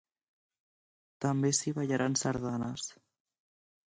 També s’hi ballaran sardanes.